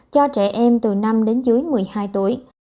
cho trẻ em từ năm đến dưới một mươi hai tuổi